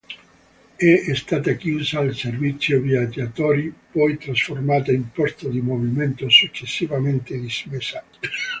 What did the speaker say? È stata chiusa al servizio viaggiatori poi trasformata in posto di movimento successivamente dismessa.